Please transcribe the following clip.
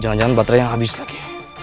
jangan jangan baterai yang habis lagi